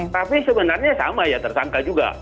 tapi sebenarnya sama ya tersangka juga